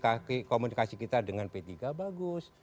tapi komunikasi kita dengan p tiga bagus